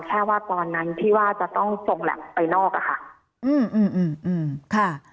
แค่ว่าตอนนั้นที่ว่าจะต้องทรงแลปไปนอกค่ะ